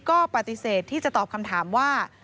ก็ปฏิเสธที่จะตอบคำถามว่า